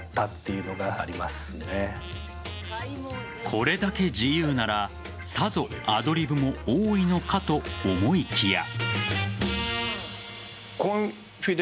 これだけ自由ならさぞアドリブも多いのかと思いきや。